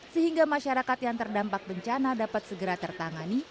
sehingga masyarakat yang terdampak bencana dapat segera tertangani